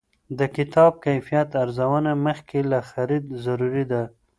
د کتاب کیفیت ارزونه مخکې له خرید ضروري ده.